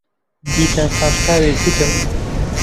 دیسان پاش تاوێک گوتم: